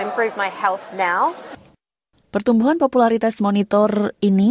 pertumbuhan popularitas monitor ini